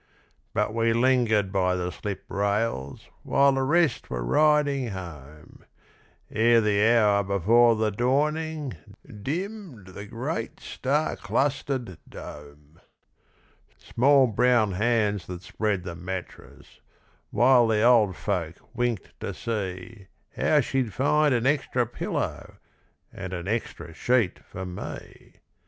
But we lingered by the slip rails While the rest were riding home, Ere the hour before the dawning, Dimmed the great star clustered dome. Small brown hands that spread the mattress While the old folk winked to see How she'd find an extra pillow And an extra sheet for me.